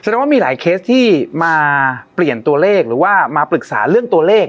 แสดงว่ามีหลายเคสที่มาเปลี่ยนตัวเลขหรือว่ามาปรึกษาเรื่องตัวเลข